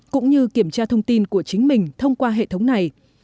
cũng như kiểm tra thông tin của chính mình thông qua hệ thống này